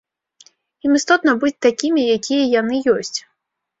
Ім істотна быць такімі, якія яны ёсць.